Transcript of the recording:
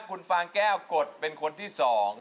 คุณฟางแก้วกดเป็นคนที่๒